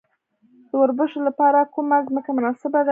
د وربشو لپاره کومه ځمکه مناسبه ده؟